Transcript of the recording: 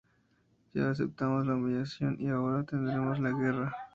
Ya aceptamos la humillación y ahora tendremos la guerra"".